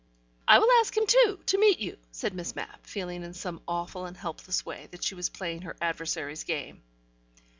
"I will ask him, too, to meet you," said Miss Mapp, feeling in some awful and helpless way that she was playing her adversary's game.